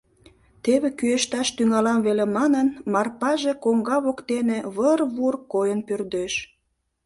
Теве кӱэшташ тӱҥалам веле, — манын, Марпаже коҥга воктене выр-вур койын пӧрдеш.